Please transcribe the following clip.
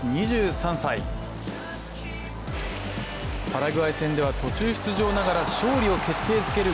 パラグアイ戦では途中出場ながら勝利を決定づける